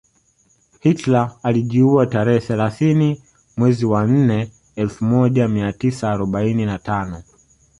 Hitker alijiua tarehe thelathini mwezi wa nne elfu moja mia tisa arobaini na tano